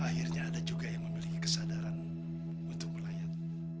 akhirnya ada juga yang memiliki kesadaran untuk rakyat